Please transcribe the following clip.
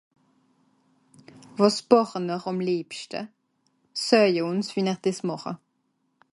Wàs bàche-n-r àm liebschte? Soeje ùns, wie-n-r dìs màche.